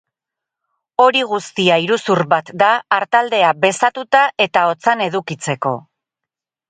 Hori guztia iruzur bat da artaldea bezatuta eta otzan edukitzeko.